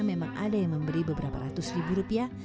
memang ada yang memberi beberapa ratus ribu rupiah